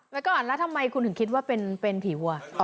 อย่าเกิดและทำไมคุณหึ้มคิดว่าเป็นผีวัว